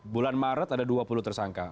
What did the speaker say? bulan maret ada dua puluh tersangka